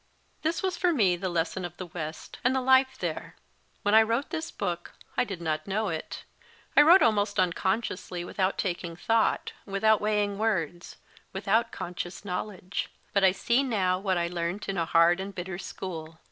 This was for me the lesson of the West and the life there When I wrote this book I did not know it ; I wrote almost unconsciously, without taking thought, without weighing words, i88 MY FIRST BOOK without conscious knowledge. But I see now what I learnt in a hard and bitter school.